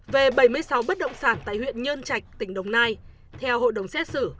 về bảy mươi sáu bất động sản tại huyện nhơn trạch tỉnh đồng nai theo hội đồng xét xử